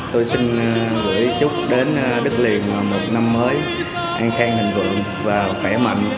tôi xin gửi chúc đến đức liền một năm mới an khang hình vượng và khỏe mạnh